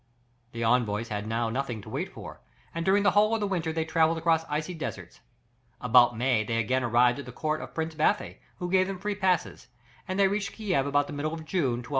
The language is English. The envoys had now nothing to wait for, and during the whole of the winter they travelled across icy deserts. About May they again arrived at the court of Prince Bathy, who gave them free passes, and they reached Kiev about the middle of June, 1247.